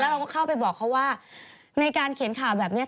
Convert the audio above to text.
เราก็เข้าไปบอกเขาว่าในการเขียนข่าวแบบนี้